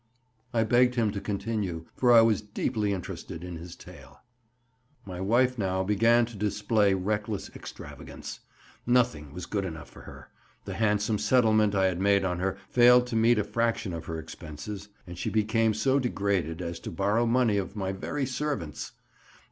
I begged him to continue, for I was deeply interested in his tale. "My wife now began to display reckless extravagance; nothing was good enough for her; the handsome settlement I had made on her failed to meet a fraction of her expenses, and she became so degraded as to borrow money of my very servants.